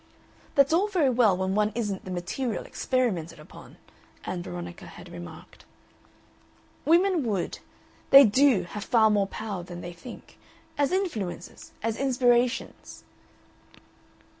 "That's all very well when one isn't the material experimented upon," Ann Veronica had remarked. "Women would they DO have far more power than they think, as influences, as inspirations."